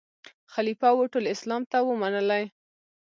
خلیفه وو ټول اسلام ته وو منلی